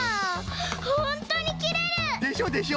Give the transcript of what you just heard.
ほんとにきれる！でしょでしょ！